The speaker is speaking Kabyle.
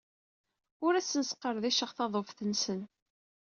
Ur asen-sqerdiceɣ taḍuft-nsen.